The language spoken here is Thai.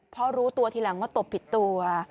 เพราะรู้ตัวทีหลังว่าตบผิดตัว